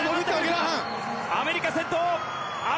アメリカ、先頭。